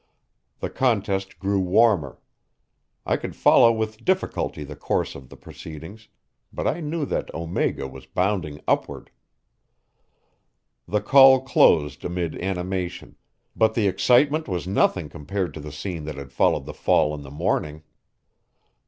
The contest grew warmer. I could follow with difficulty the course of the proceedings, but I knew that Omega was bounding upward. The call closed amid animation; but the excitement was nothing compared to the scene that had followed the fall in the morning.